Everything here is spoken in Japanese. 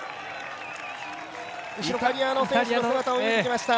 イタリアの選手の姿も見えてきました。